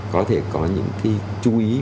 có thể có những cái chú ý